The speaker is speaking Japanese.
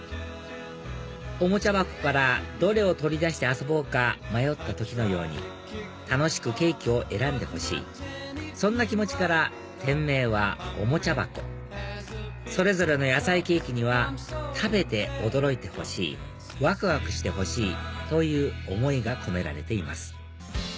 おもちゃ箱からどれを取り出して遊ぼうか迷った時のように楽しくケーキを選んでほしいそんな気持ちから店名はｏｍｏｔｙａｂａｋｏそれぞれの野菜ケーキには食べて驚いてほしいわくわくしてほしいという思いが込められています